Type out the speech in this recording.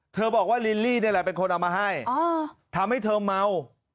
บอกว่าลิลลี่นี่แหละเป็นคนเอามาให้ทำให้เธอเมา